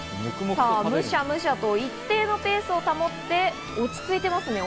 むしゃむしゃと一定のペースを保って、落ち着いてますね。